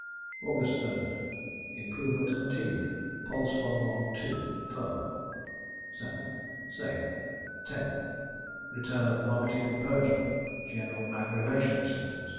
AUGUST 3rd. Improvement continued. Pulse 112, firmer. 7th. Same. 10th. Return of vomiting and purging. General aggravation of symptoms.